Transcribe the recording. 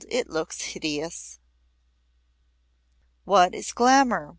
It looks hideous." Was it glamour?